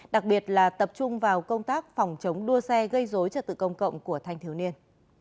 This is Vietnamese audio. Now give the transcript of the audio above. đặc biệt là tập trung vào công tác phòng chống đua xe gây dối trật tự công cộng của thanh thiếu niên